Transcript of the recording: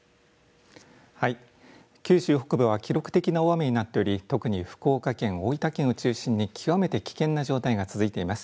はい、九州北部は記録的な大雨になっており特に福岡県、大分県を中心に極めて危険な状態が続いています。